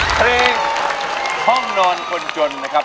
เพลงห้องนอนคนจนนะครับ